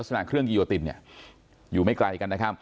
ลักษณะเครื่องโยตินอยู่ไม่ไกลกัน